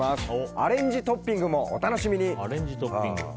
アレンジトッピングもお楽しみに。